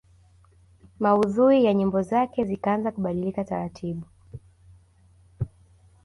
Maudhui ya nyimbo zake zikaanza kubadilika taratibu